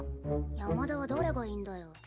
山田は誰がいいんだよ？